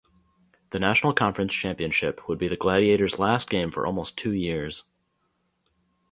The National Conference Championship would be the Gladiators' last game for almost two years.